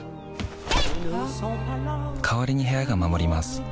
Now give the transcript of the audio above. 代わりに部屋が守ります